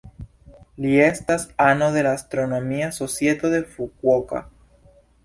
Li estas ano de la Astronomia Societo de Fukuoka.